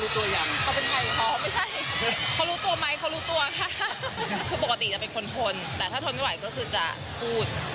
ทำไมต้องให้อุ่นหิดแค่นั้นเอง